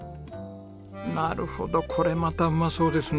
なるほどこれまたうまそうですね。